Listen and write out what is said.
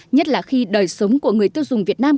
nhất là khi đời sống của người tiêu dùng việt nam